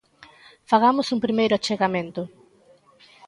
Fagamos un primeiro achegamento.